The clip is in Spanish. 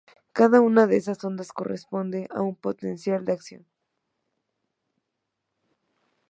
Cada una de estas ondas corresponde a un potencial de acción.